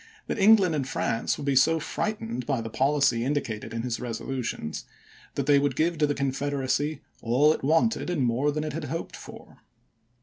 that England and France would be so frightened by the policy indicated in his resolutions that they would give to the Confederacy " all it wanted, and more than it had hoped for."